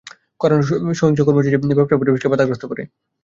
কারণ, সহিংস কর্মসূচি ব্যবসার পরিবেশকে বাধাগ্রস্ত করে।